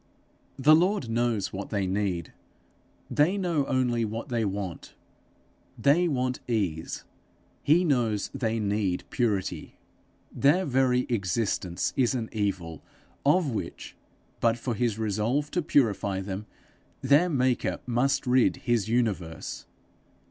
The Lord knows what they need; they know only what they want. They want ease; he knows they need purity. Their very existence is an evil, of which, but for his resolve to purify them, their maker must rid his universe.